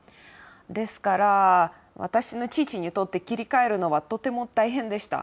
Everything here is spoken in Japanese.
ですから私の父にとって切り替えるのはとても大変でした。